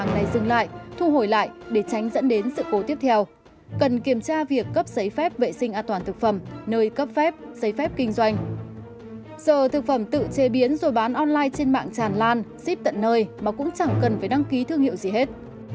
giờ thực phẩm tự chế biến rồi bán online trên mạng tràn lan ship tận nơi mà cũng chẳng cần phải đăng ký thương hiệu gì hết